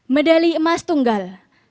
medali emas tunggal